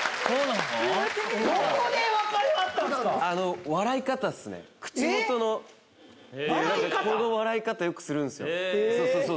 この笑い方よくするんですよ。